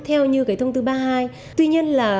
theo như cái thông tư ba mươi hai tuy nhiên là